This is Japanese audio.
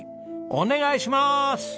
お願いします！